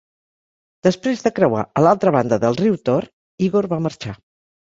Després de creuar a l'altra banda del riu Tor, Igor va marxar.